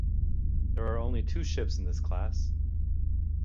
There were only two ships in this class.